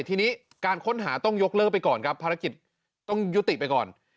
ทีนี้การค้นหาต้องยกเลิกไปก่อนครับภารกิจต้องยุติไปก่อน